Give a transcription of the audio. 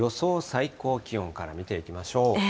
最高気温から見ていきましょ